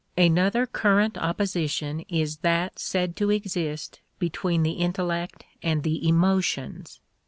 Another current opposition is that said to exist between the intellect and the emotions.